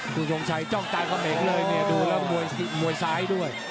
คุณชงชัยจ้องกายเขมงเลยเนี่ยดูแล้วมวยซ้ายด้วย